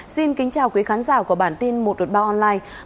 xin kính chào quý khán giả của bản tin một ba online